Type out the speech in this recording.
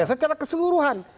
ya secara keseluruhan